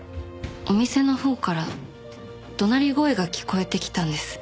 お店のほうから怒鳴り声が聞こえてきたんです。